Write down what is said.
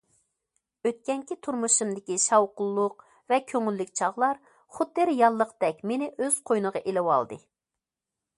ئۆتكەنكى تۇرمۇشۇمدىكى شاۋقۇنلۇق ۋە كۆڭۈللۈك چاغلار خۇددى رېئاللىقتەك مېنى ئۆز قوينىغا ئېلىۋالدى.